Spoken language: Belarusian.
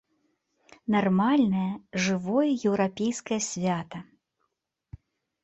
Нармальнае, жывое еўрапейскае свята.